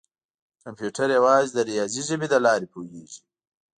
کمپیوټر یوازې د ریاضي ژبې له لارې پوهېږي.